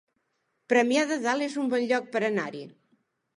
Premià de Dalt es un bon lloc per anar-hi